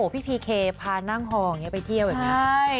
พี่พีเคพานั่งหองไปเที่ยวแบบนี้